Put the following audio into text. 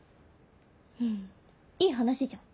うんいい話じゃん。